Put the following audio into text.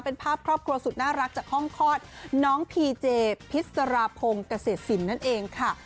เป็นภาพครอบครัวสุดน่ารักจากห้องคลอดน้องพีเจพิษราพงศ์เกษตรสินนั่นเองค่ะ